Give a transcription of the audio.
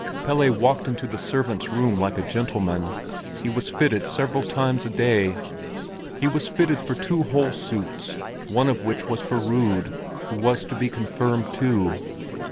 Pelle walked into the servants' room like a gentleman; he was fitted several times a day. He was fitted for two whole suits, one of which was for Rud, who was to be confirmed too.